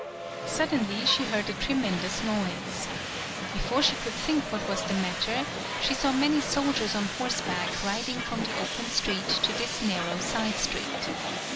Suddenly she heard a tremen dous noise. Before she could think what was the matter, she saw many sol diers on horseback riding from the open street to this narrow side street.